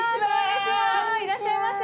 いらっしゃいませ。